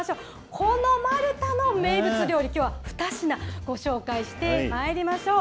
こんなマルタの名物料理、きょうは２品ご紹介してまいりましょう。